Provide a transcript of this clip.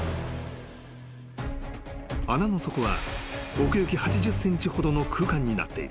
［穴の底は奥行き８０ｃｍほどの空間になっている］